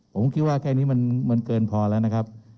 ผมคิดว่าแค่นี้มันเกินพอแล้วนะครับ